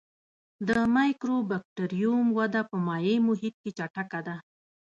د مایکوبکټریوم وده په مایع محیط کې چټکه ده.